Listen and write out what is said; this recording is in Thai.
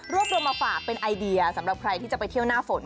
รวมมาฝากเป็นไอเดียสำหรับใครที่จะไปเที่ยวหน้าฝน